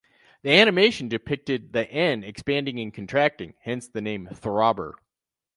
The animation depicted the "N" expanding and contracting - hence the name "throbber".